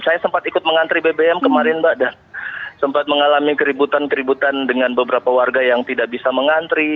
saya sempat ikut mengantri bbm kemarin mbak dan sempat mengalami keributan keributan dengan beberapa warga yang tidak bisa mengantri